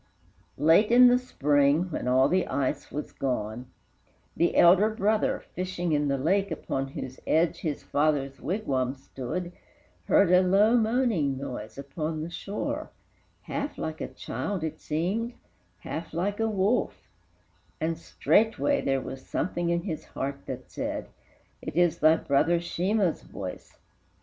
Late in the Spring, when all the ice was gone, The elder brother, fishing in the lake, Upon whose edge his father's wigwam stood, Heard a low moaning noise upon the shore: Half like a child it seemed, half like a wolf, And straightway there was something in his heart That said, "It is thy brother Sheemah's voice."